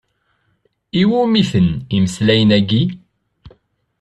I wumi-ten imeslayen-agi?